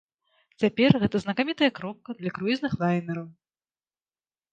Цяпер гэта знакамітая кропка для круізных лайнераў.